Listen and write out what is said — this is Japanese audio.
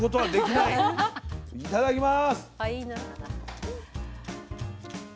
いただきます。